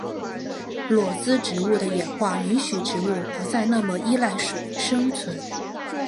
裸子植物的演化允许植物不再那么依赖水生存。